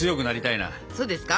そうですか？